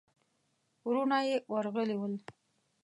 وروڼه يې ورغلي ول.